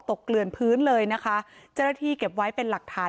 เกลือนพื้นเลยนะคะเจ้าหน้าที่เก็บไว้เป็นหลักฐาน